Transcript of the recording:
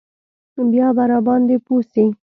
بيا به راباندې پوه سي.